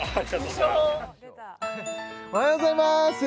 おはようございます